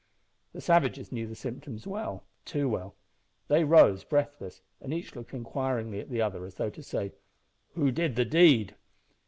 The savages knew the symptoms well too well! They rose, breathless, and each looked inquiringly at the other, as though to say, "Who did the deed?"